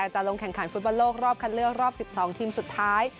จะลงแข่งขันฟุตบอลโลกรอบคัดเลือกรอบ๑๒ทีมสุดท้าย